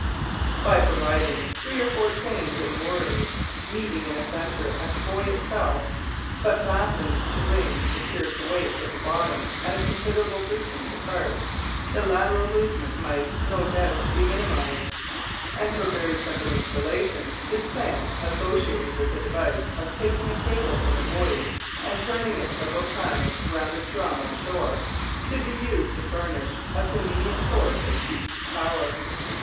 By providing three or four chains and moorings, meeting in a centre at the buoy itself but fastened to rings secured to weights at the bottom at a considerable distance apart, the lateral movement might, no doubt, be minimised; and for very simple installations this plan, associated with the device of taking a cable from the buoy and turning it several times round a drum on shore, could be used to furnish a convenient source of cheap power.